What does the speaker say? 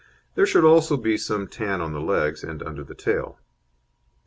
There should also be some tan on the legs and under the tail.